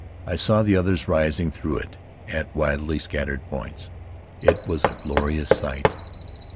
I saw the others rising through it at widely scattered points. It was a glorious sight.